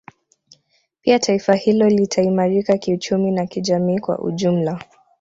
Pia taifa hilo litaimarika kiuchumi na kijamii kwa ujumla